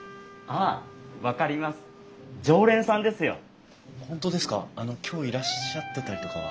あの今日いらっしゃってたりとかは。